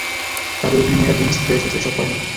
তাদের এখানে মেয়েরা জিন্স, ড্রেসেস এসব পরে না।